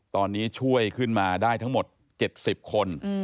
ตอนนี้ช่วยขึ้นมาได้ทั้งหมด๗๐คน